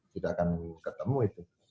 tidak akan ketemu itu